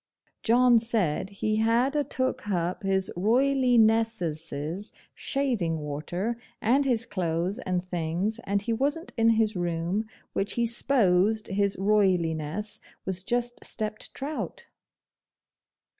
John said he had a took hup His Roilighnessesses shaving water, and his clothes and things, and he wasn't in his room, which he sposed His Royliness was just stepped trout.